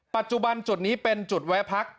ปัจจุบันจุดนี้เป็นจุดแวะพัก